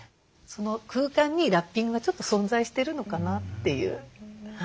その空間にラッピングがちょっと存在しているのかなっていう。